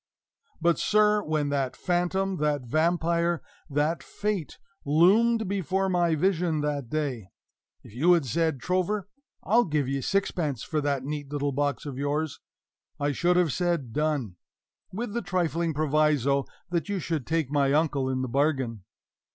But, sir, when that Phantom, that Vampire, that Fate, loomed before my vision that day, if you had said, "Trover, I'll give ye sixpence for this neat little box of yours," I should have said, "Done!" with the trifling proviso that you should take my uncle in the bargain.